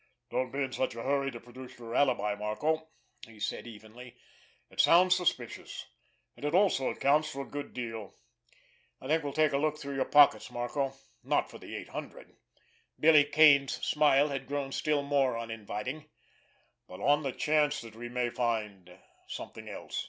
"Don't be in such a hurry to produce your alibi, Marco," he said evenly. "It sounds suspicious—and it also accounts for a good deal. I think we'll take a look through your pockets, Marco—not for the eight hundred"—Billy Kane's smile had grown still more uninviting—"but on the chance that we may find something else.